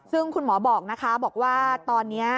ซึ่งคุณหมอบอกนะคะบอกว่าตอนนี้